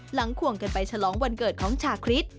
ขวงกันไปฉลองวันเกิดของชาคริส